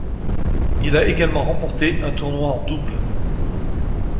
Il a également remporté un tournoi en double.